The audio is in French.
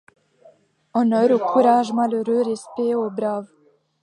Honneur au courage malheureux, respect aux braves.